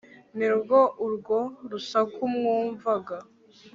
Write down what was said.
Ni rwo urwo rusaku mwumva.